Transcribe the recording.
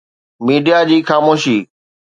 media جي خاموشي